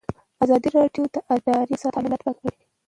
ازادي راډیو د اداري فساد حالت په ډاګه کړی.